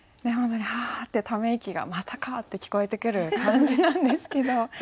本当に「はあ」ってため息が「またか」って聞こえてくる感じなんですけど